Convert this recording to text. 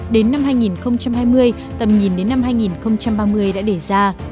đến năm hai nghìn hai mươi tầm nhìn đến năm hai nghìn ba mươi đã đề ra